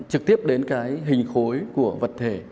trực tiếp đến cái hình khối của vật thể